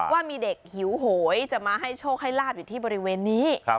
ว่ามีเด็กหิวโหยจะมาให้โชคให้ลาบอยู่ที่บริเวณนี้